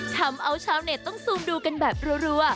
ทำเอาชาวเน็ตต้องซูมดูกันแบบรัว